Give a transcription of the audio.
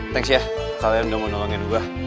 thanks ya kalian udah mau nolongin gue